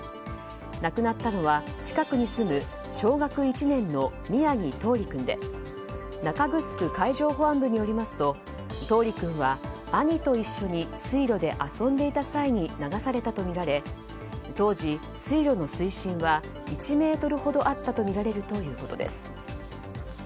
亡くなったのは近くに住む小学１年の宮城柊李君で中城海上保安部によりますと兄と一緒に水路で遊んでいた際に流されたとみられ水路の水深は１ｍほどあったとみられるということです。